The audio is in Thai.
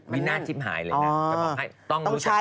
มีหน้าจิ้มหายเลยนะ